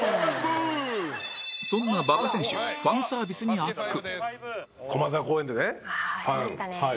そんな馬場選手ファンサービスに熱く